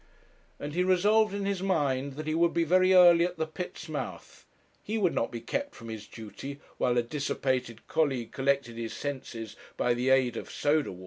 And he resolved in his mind that he would be very early at the pit's mouth. He would not be kept from his duty while a dissipated colleague collected his senses by the aid of soda water.